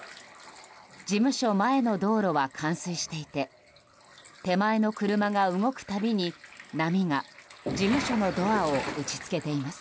事務所前の道路は冠水していて手前の車が動くたびに波が事務所のドアを打ちつけています。